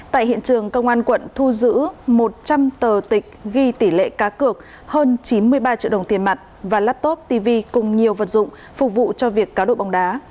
tại hiện trường công an quận thu giữ một trăm linh tờ tịch ghi tỷ lệ cá cược hơn chín mươi ba triệu đồng tiền mặt và laptop tv cùng nhiều vật dụng phục vụ cho việc cáo độ bóng đá